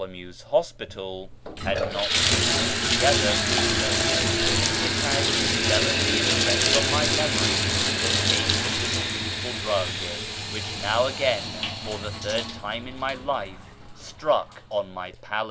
AMONGST THE KALANDARS 521 Hospital had uot been altogether fruitless, since it had in delibly impressed on my memory the taste of this hateful drug, which now again, for the third time in my life, struck on my palate.